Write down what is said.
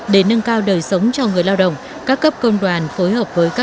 để nâng cao đời sống cho người lao động các cấp công đoàn phối hợp với các cơ quan ban ngành